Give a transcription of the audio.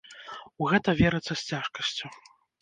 У гэта верыцца з цяжкасцю.